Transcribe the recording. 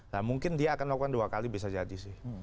nah mungkin dia akan melakukan dua kali bisa jadi sih